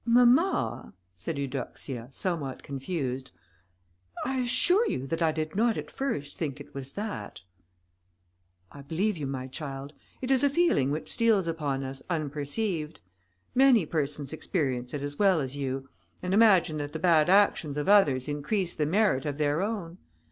"Mamma," said Eudoxia, somewhat confused, "I assure you that I did not at first think it was that." "I believe you, my child; it is a feeling which steals upon us unperceived. Many persons experience it as well as you, and imagine that the bad actions of others increase the merit of their own.